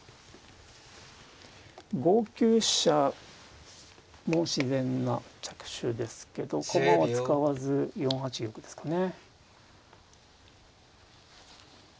５九飛車も自然な着手ですけど駒は使わず４八玉ですかね。